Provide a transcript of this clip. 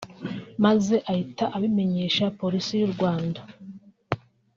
maze ahita abimenyesha Polisi y’u Rwanda